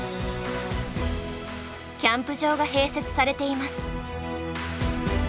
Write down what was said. キャンプ場が併設されています。